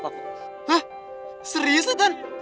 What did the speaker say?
hah serius ya ton